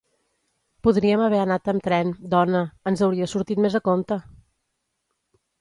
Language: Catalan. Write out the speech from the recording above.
Podríem haver anat amb tren, dona... ens hauria sortit més a compte!